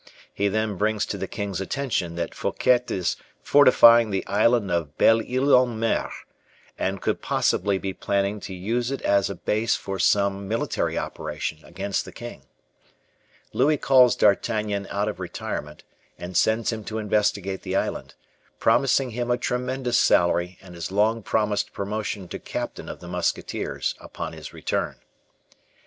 He then brings to the king's attention that Fouquet is fortifying the island of Belle Ile en Mer, and could possibly be planning to use it as a base for some military operation against the king. Louis calls D'Artagnan out of retirement and sends him to investigate the island, promising him a tremendous salary and his long promised promotion to captain of the musketeers upon his return.